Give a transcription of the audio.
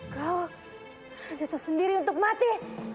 kau jatuh sendiri untuk mati